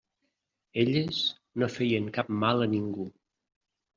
Elles no feien cap mal a ningú.